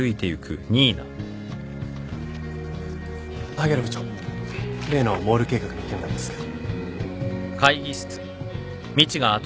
萩原部長例のモール計画の件なんですが。